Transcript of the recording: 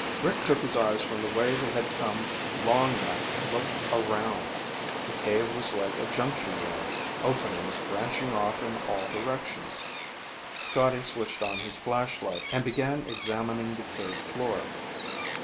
Rick took his eyes from the way they had come long enough to look around. The cave was like a junction room, openings branching off in all directions. Scotty switched on his flashlight and began examining the cave floor.